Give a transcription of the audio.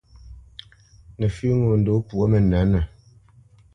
Nǝfʉ́ ŋo ndǒ pwo mǝnǝ̌tnǝ.